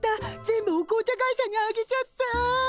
全部お紅茶会社にあげちゃった！